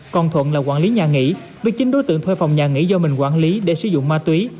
còn thuận là quản lý nhà nghỉ với chính đối tượng thuê phòng nhà nghỉ do mình quản lý để sử dụng ma túy